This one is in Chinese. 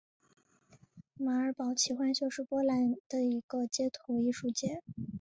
马尔堡奇幻秀是波兰的一个街头艺术节。